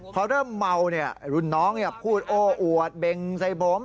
พอเริ่มเมาเนี่ยรุ่นน้องพูดโอ้อวดเบงใส่ผม